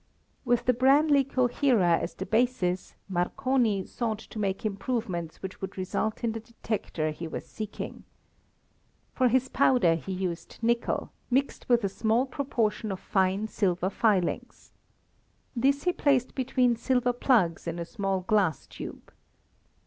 With the Branly coherer as the basis Marconi sought to make improvements which would result in the detector he was seeking. For his powder he used nickel, mixed with a small proportion of fine silver filings. This he placed between silver plugs in a small glass tube.